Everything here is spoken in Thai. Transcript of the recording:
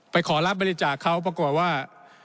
ขอรับบริจาคเขาปรากฏว่า